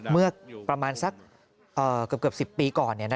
เมื่อประมาณสักเกือบ๑๐ปีก่อน